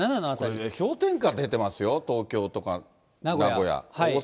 これね、氷点下出てますよ、東京とか名古屋。